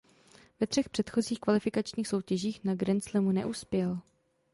Ve třech předchozích kvalifikačních soutěžích na grandslamu neuspěl.